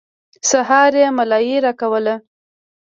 سهار يې ملايي راکوله.